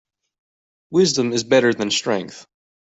Wisdom is better than strength.